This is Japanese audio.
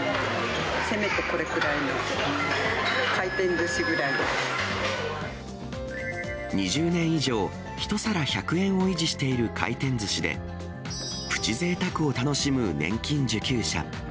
せめてこれくらいの、回転ずしぐ２０年以上、１皿１００円を維持している回転ずしで、プチぜいたくを楽しむ年金受給者。